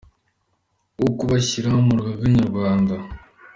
wo kubashyira mu rugaga nyarwanda.